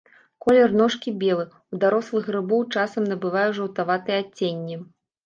Колер ножкі белы, у дарослых грыбоў часам набывае жаўтаватае адценне.